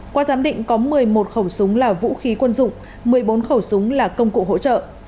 qua giám định có một mươi một khẩu súng là vũ khí quân dụng một mươi bốn khẩu súng là công cụ hỗ trợ